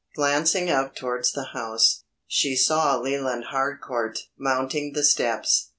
Glancing up towards the house, she saw Leland Harcourt mounting the steps.